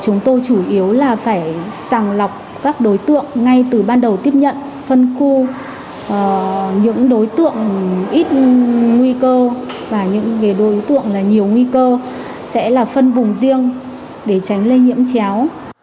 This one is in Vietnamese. chúng tôi chủ yếu là phải sàng lọc các đối tượng ngay từ ban đầu tiếp nhận phân khu những đối tượng ít nguy cơ và những đối tượng nhiều nguy cơ sẽ là phân vùng riêng để tránh lây nhiễm chéo